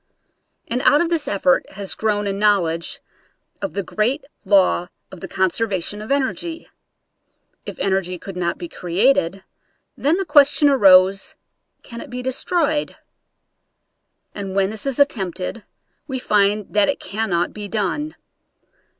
And out of this effort has grown a knowledge of the great law of the conserva tion of energy. If energy could not be created, then the question arose, Can it be destroyed? And when this is attempted we find that it cannot be done.